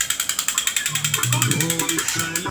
Fue dirigido por Amber y Brown y fue grabado en Londres.